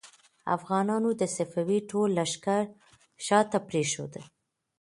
افغانانو د صفوي ټول لښکر شا ته پرېښود.